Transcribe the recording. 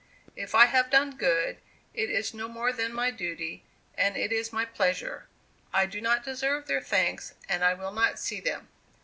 If I have done good, it is no more than my duty, and it is my pleasure. I do not deserve their thanks, and I will not see them."